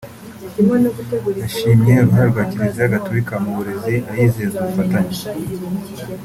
yashimye uruhare rwa Kiliziya Gatulika mu burezi ayizeza ubufatanye